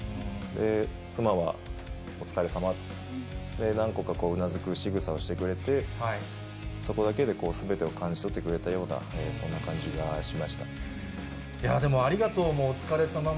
妻は、お疲れさまって、何度かこう、うなずくしぐさをしてくれて、そこだけですべてを感じ取ってくれたような、そんな感じがしました。